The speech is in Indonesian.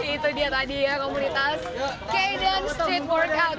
itu dia tadi ya komunitas kd street workout